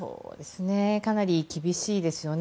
かなり厳しいですよね。